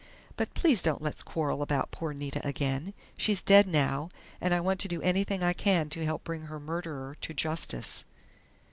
"But please don't let's quarrel about poor Nita again. She's dead now, and I want to do anything I can to help bring her murderer to justice."